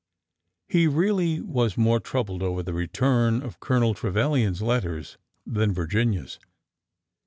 He really was more troubled over the return of Colo nel Trevilian's letter than Virginia's.